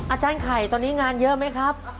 อาจารย์ไข่ตอนนี้งานเยอะไหมครับ